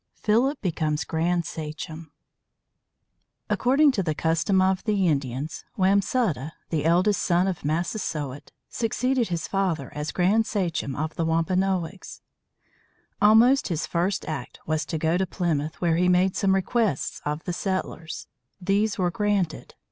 PHILIP BECOMES GRAND SACHEM According to the custom of the Indians, Wamsutta, the eldest son of Massasoit, succeeded his father as grand sachem of the Wampanoags. Almost his first act was to go to Plymouth, where he made some requests of the settlers. These were granted.